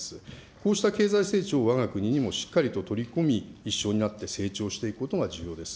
こうした経済成長をわが国にもしっかりと取り込み、一緒になって成長していくことが重要です。